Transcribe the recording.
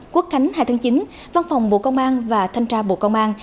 quốc khánh hai tháng chín văn phòng bộ công an và thanh tra bộ công an